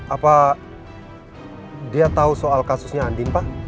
apa dia tahu soal kasusnya andin pak